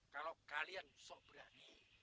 kalau kalian sok berani